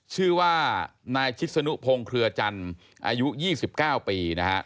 ชื่อว่านายชิศนุพงศ์เครือจันทร์อายุ๒๙ปีนะครับ